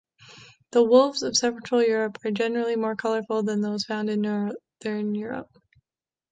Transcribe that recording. The wolves of central Europe are generally more colorful than those found in northern Europe.